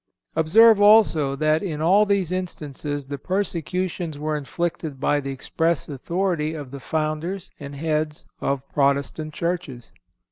Observe, also, that in all these instances the persecutions were inflicted by the express authority of the founders and heads of Protestant churches.